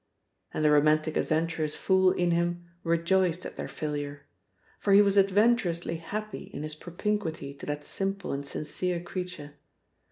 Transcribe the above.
And the romantic adventurous fool in him rejoiced at their failure. For he was adventurously happy in his propinquity to that simple and sincere creature.